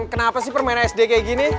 kenapa sih permainan sd kayak gini